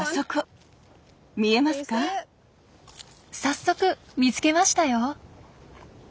早速見つけましたよ。